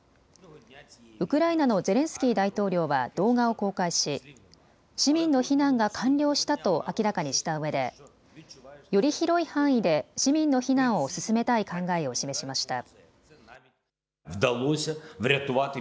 ウクライナのゼレンスキー大統領は動画を公開し市民の避難が完了したと明らかにしたうえでより広い範囲で市民の避難を進めたい考えを示しました。